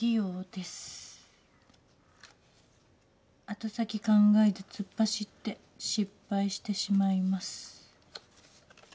「後先考えず突っ走って失敗してしまいます」